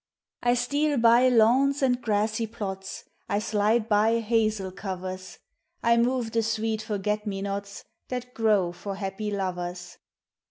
I steal by lawns and grassy plots: I slide by hazel covers; I move the sweet forget me nots That grow for happy lovers.